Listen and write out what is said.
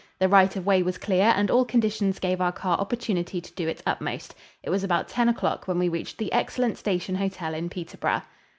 The right of way was clear and all conditions gave our car opportunity to do its utmost. It was about ten o'clock when we reached the excellent station hotel in Peterborough.